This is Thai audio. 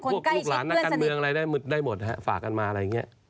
ลูกหลานนักการเมืองอะไรได้หมดฮะฝากกันมาอะไรอย่างนี้